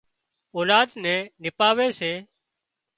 اولاد نين نپاوي سي